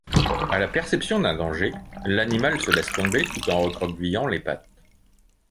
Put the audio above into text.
À la perception d'un danger, l'animal se laisse tomber tout en recroquevillant les pattes.